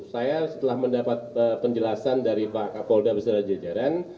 saya setelah mendapat penjelasan dari pak kapolda besera jejaran